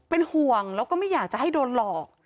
เป็นห่วงแล้วก็ไม่อยากจะให้โดนหลอก